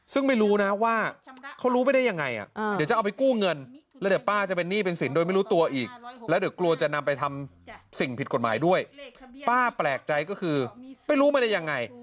ซึ่งไม่รู้นะว่าเขารู้ไม่ได้ยังไงเดี๋ยวจะเอาไปกู้เงิน